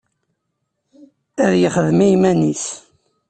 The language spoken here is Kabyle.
Ad yexdem i yiman-nnes.